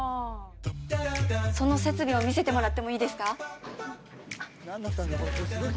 その設備を見せてもらってもいいですか？